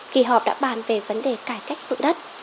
kỳ họp đã bàn về vấn đề cải cách dụng đất